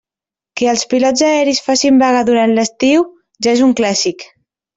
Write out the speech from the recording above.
Que els pilots aeris facin vaga durant l'estiu, ja és un clàssic.